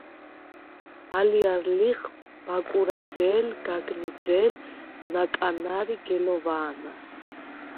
ალჲარ ლიხ: ბაკურაძე̄ლ, გაგნიძე̄ლ, ნაკანარ ი გელოვა̄ნარ.